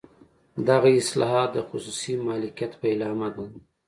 دغه اصلاحات د خصوصي مالکیت پیلامه ده.